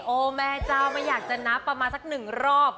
แม่เจ้าไม่อยากจะนับประมาณสักหนึ่งรอบ